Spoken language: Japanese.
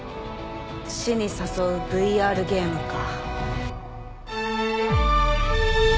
死に誘うＶＲゲームか。